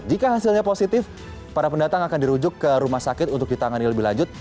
jika hasilnya positif para pendatang akan dirujuk ke rumah sakit untuk ditangani lebih lanjut